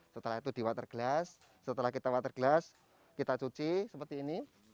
setelah itu di water glass setelah kita water glass kita cuci seperti ini